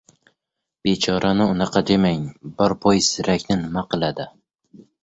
—Bechorani unaqa demang. Bir poy zirakni nima qiladi?